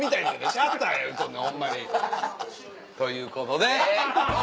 シャッターや言うとんねんホンマに。ということで。